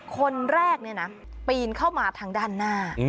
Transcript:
คนแรกปีนเข้ามาทางด้านหน้า